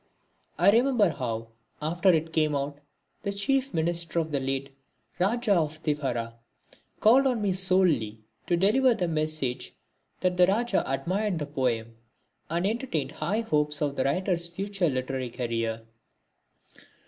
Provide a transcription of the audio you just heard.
I remember how, after it came out, the chief minister of the late Raja of Tipperah called on me solely to deliver the message that the Raja admired the poem and entertained high hopes of the writer's future literary career.